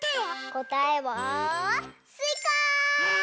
こたえはすいか！